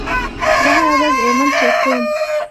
زه هره ورځ ایمیل چک کوم.